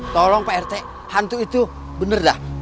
tolong pak rt hantu itu bener dah cepet